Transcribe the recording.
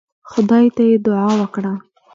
خدای ته يې دعا وکړه.